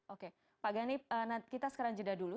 oke pak ganip kita sekarang jeda dulu